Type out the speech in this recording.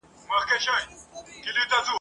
تاسو په دې ورځو کي څه زده کوئ؟